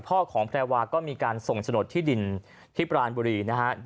พ่อของแพรวาก็มีการส่งโฉนดที่ดินที่ปรานบุรีนะฮะ